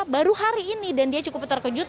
baru hari ini dan dia cukup terkejut